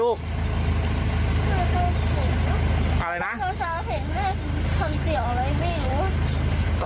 เห็นแม่ทำเสียงอะไรไม่รู้